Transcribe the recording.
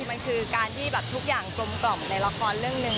มันคือการที่แบบทุกอย่างกลมกล่อมในละครเรื่องหนึ่ง